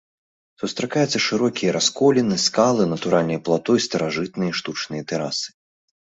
Сустракаюцца шырокія расколіны, скалы, натуральныя плато і старажытныя штучныя тэрасы.